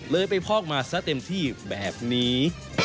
เลยไปพอกมาซะเต็มที่แบบนี้